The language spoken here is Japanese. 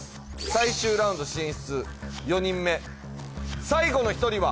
最終ラウンド進出４人目最後の１人は